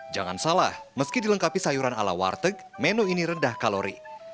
jangan salah meski dilengkapi sayuran ala warteg menu ini rendah kalori